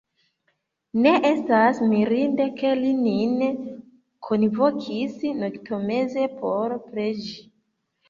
Ne estas mirinde, ke li nin kunvokis noktomeze por preĝi.